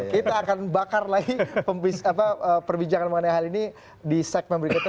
kita akan bakar lagi perbincangan mengenai hal ini di segmen berikutnya